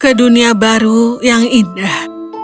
ke dunia baru yang indah